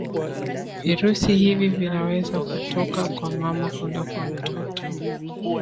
virusi hivi vinaweza kutoka kwa mama kwenda kwa mtoto